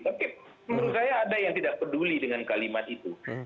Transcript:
oke menurut saya ada yang tidak peduli dengan kalimat itu